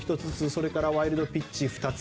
それからワイルドピッチが２つ。